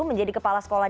menjadi kepala sekolah